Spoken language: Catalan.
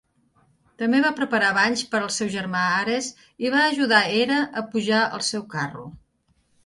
També va preparar banys per al seu germà Ares i va ajudar Hera a pujar al seu carro.